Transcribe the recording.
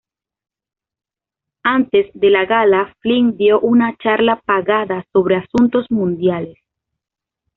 Antes de la gala, Flynn dio una charla pagada sobre asuntos mundiales.